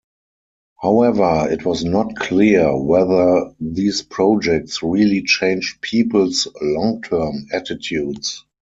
However, it was not clear whether these projects really changed people's long-term attitudes.